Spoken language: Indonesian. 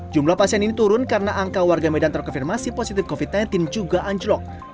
jumlah pasien ini turun karena angka warga medan terkonfirmasi positif covid sembilan belas juga anjlok